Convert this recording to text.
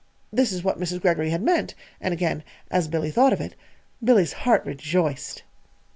This was what Mrs. Greggory had meant and again, as Billy thought of it, Billy's heart rejoiced.